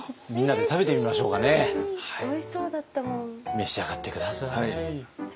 召し上がって下さい。